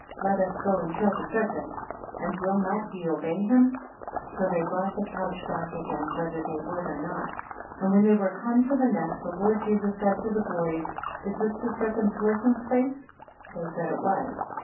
Let us go and kill the serpent; and will not ye obey him? 12 So they brought the couch back again, whether they would or not. 13 And when they were come to the nest, the Lord Jesus said to the boys, Is this the serpent's lurking place? They said, It was.